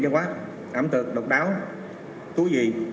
ẩm thực độc đáo thú vị